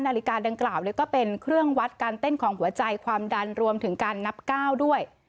นาฬิกาดังกล่าวก็เป็นเครื่องวัดการเต้นของหัวใจความดันรวมถึงการนับก้าวด้วย